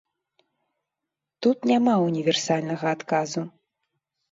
Тут няма універсальнага адказу.